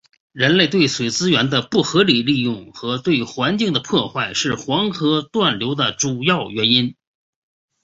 人类对水资源的不合理利用和对环境的破坏是黄河断流的主要原因。